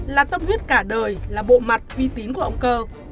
là tâm huyết cả đời là bộ mặt uy tín của ông cơ